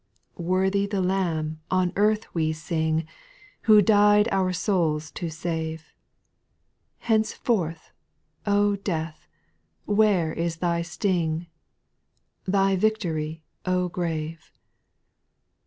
6. Worthy the Lamb ! on earth we sing. Who died our souls to save ; Henceforth, O death, where is thy sting ? Thy victory, O grave